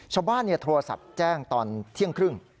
ชาวบ้านโทรศัพท์แจ้งตอนเที่ยงครึ่ง